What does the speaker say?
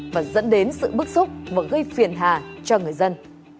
và dẫn đến sự bức xúc và gây phiền hà cho người dân